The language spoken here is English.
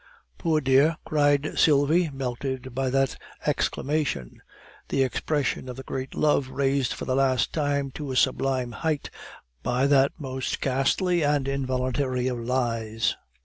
"Poor dear!" cried Sylvie, melted by that exclamation; the expression of the great love raised for the last time to a sublime height by that most ghastly and involuntary of lies.